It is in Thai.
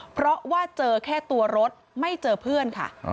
เพราะว่าเจอแค่ตัวรถไม่เจอเพื่อนค่ะ